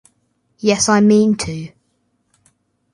Yes, I mean to.